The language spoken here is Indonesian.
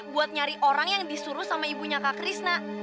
buat nyari orang yang disuruh sama ibunya kak krisna